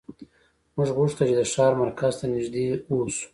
موږ غوښتل چې د ښار مرکز ته نږدې اوسو